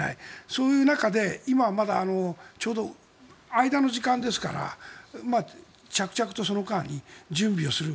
そういう中で、今はまだちょうど間の時間ですから着々とその間に準備をする。